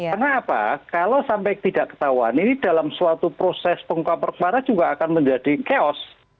kenapa kalau sampai tidak ketahuan ini dalam suatu proses pengukam perkemaran juga akan menjadi chaos